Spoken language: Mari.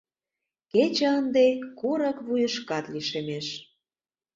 Кече ынде курык вуйышкат лишемеш.